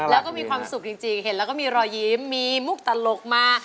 แล้วก็มีความสุขจริงเห็นแล้วก็มีรอยยิ้มมีมุกตลกมา